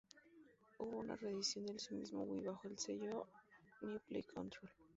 Hubo una reedición del mismo para Wii bajo el sello "New Play Control!